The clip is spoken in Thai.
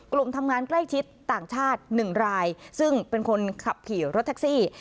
ทำงานใกล้ชิดต่างชาติ๑รายซึ่งเป็นคนขับขี่รถแท็กซี่